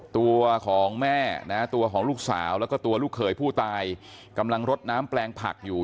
ตัวของแม่นะตัวของลูกสาวแล้วก็ตัวลูกเขยผู้ตายกำลังรดน้ำแปลงผักอยู่